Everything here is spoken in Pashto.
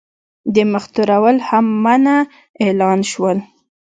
د مخ تورول هم منع اعلان شول.